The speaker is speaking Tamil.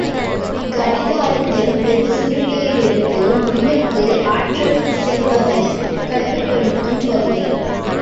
கடிகாரத்தில் வில் சுருளிலிருந்து முள்ளுக்கு ஆற்றல் செல்வதைக் கட்டுப்படுத்தும் பகுதி.